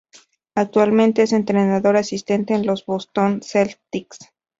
Actualmente es entrenador asistente en los Boston Celtics.